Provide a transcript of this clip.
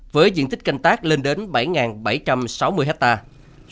với diện tích canh tác lên đến bảy bảy trăm sáu mươi hectare